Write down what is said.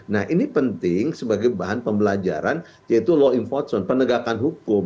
nah ini penting sebagai bahan pembelajaran yaitu law enforcement penegakan hukum